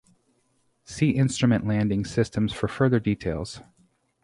See instrument landing system for further details.